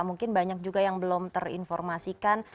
mungkin banyak juga yang belum terinformasikan